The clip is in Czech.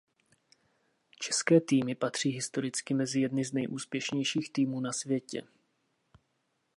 České týmy patří historicky mezi jedny z nejúspěšnějších týmů na světě.